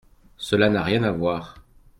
Cela n’a rien à voir.